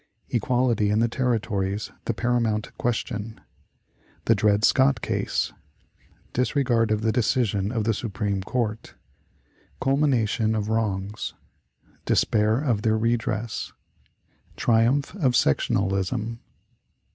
Equality in the Territories the Paramount Question. The Dred Scott Case. Disregard of the Decision of the Supreme Court. Culmination of Wrongs. Despair of their Redress. Triumph of Sectionalism.